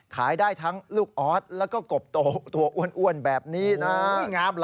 ขายได้ทั้งลูกออสแล้วก็กบโตตัวอ้วนแบบนี้นะ